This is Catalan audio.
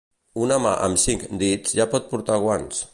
Una mà amb cinc dits ja pots portar guants.